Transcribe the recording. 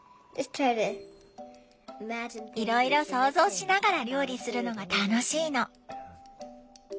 いろいろ想像しながら料理するのが楽しいの。